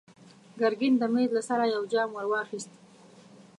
ګرګين د مېز له سره يو جام ور واخيست.